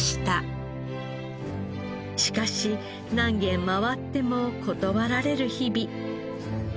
しかし何軒回っても断られる日々。